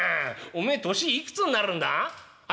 おめえ年いくつになるんだ？」。